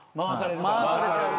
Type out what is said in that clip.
回されちゃうから。